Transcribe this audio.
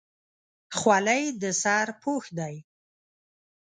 خولۍ د سر پوښ دی.